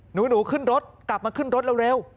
หนูขึ้นรถกลับมาขึ้นรถเร็ว